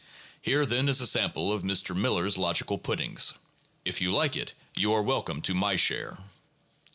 Here then is a sample of Mr. Miller's logical puddings. If you like it you are welcome to my share.